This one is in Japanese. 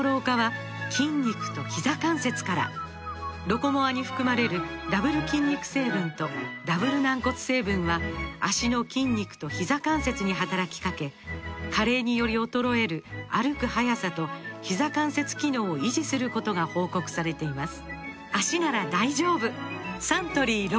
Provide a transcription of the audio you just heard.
「ロコモア」に含まれるダブル筋肉成分とダブル軟骨成分は脚の筋肉とひざ関節に働きかけ加齢により衰える歩く速さとひざ関節機能を維持することが報告されています